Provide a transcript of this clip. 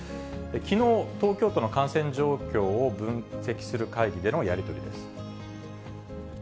きのう、東京都の感染状況を分析する会議でのやり取りです。